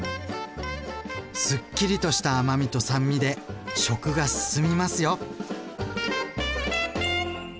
すっきりとした甘みと酸味で食が進みますよ。